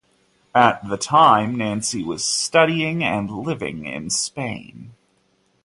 At the time Nancy was studying and living in Spain.